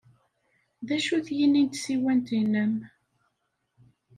D acu-t yini n tsiwant-nnem?